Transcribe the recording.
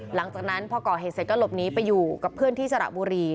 หลังจากนั้นพอก่อเหตุเสร็จก็หลบหนีไปอยู่กับเพื่อนที่สระบุรี